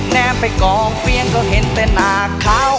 แนะมไปกองเฟี้ยงก็เห็นแต่หน้าคาว